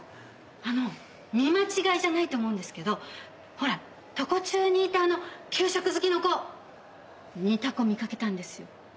あの見間違いじゃないと思うんですけどほら常中にいたあの給食好きの子似た子見かけたんですよ。